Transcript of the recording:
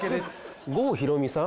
郷ひろみさん。